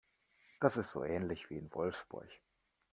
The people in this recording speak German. Das ist so ähnlich wie in Wolfsburg